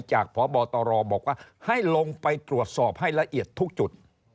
พบตรบอกว่าให้ลงไปตรวจสอบให้ละเอียดทุกจุด